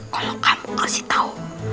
kalau kamu kasih tau